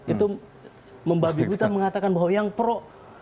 itu membagi buta mengatakan bahwa yang pro